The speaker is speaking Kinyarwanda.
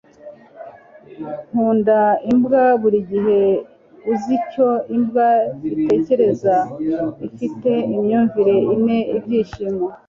nkunda imbwa burigihe uzi icyo imbwa itekereza ifite imyumvire ine ibyishimo